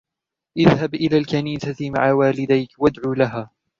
اذهب إلى الكنيسة مع والديك وادعُ لها.